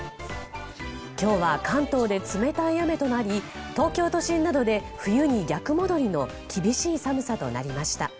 今日は関東で冷たい雨となり東京都心などで冬に逆戻りの厳しい寒さとなりました。